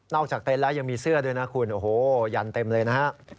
จากเต็นต์แล้วยังมีเสื้อด้วยนะคุณโอ้โหยันเต็มเลยนะฮะ